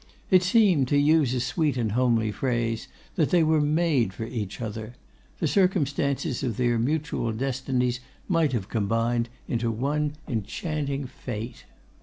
It seemed, to use a sweet and homely phrase, that they were made for each other; the circumstances of their mutual destinies might have combined into one enchanting fate.